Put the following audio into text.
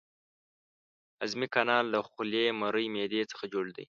هضمي کانال له خولې، مرۍ، معدې څخه جوړ دی.